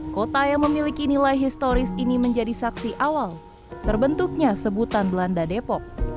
kota yang memiliki nilai historis ini menjadi saksi awal terbentuknya sebutan belanda depok